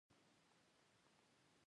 هر کله کتاب سنت کې شی نه مومم